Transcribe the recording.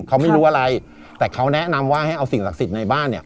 เขาไม่รู้อะไรแต่เขาแนะนำว่าให้เอาสิ่งศักดิ์สิทธิ์ในบ้านเนี่ย